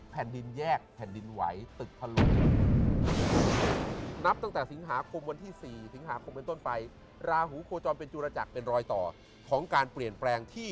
แผ่นดินแยกแผ่นดินไหวตึกถล่ม